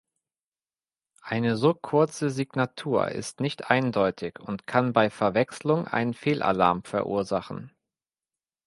Eine so kurze Signatur ist nicht eindeutig und kann bei Verwechslung einen Fehlalarm verursachen.